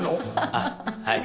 あっはい。